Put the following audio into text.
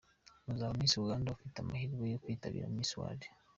Uzaba Miss Uganda afite amahirwe yo kwitabira Miss World.